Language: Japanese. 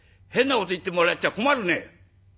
変なこと言ってもらっちゃ困るね！」。